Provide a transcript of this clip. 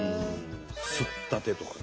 「すったて」とかね。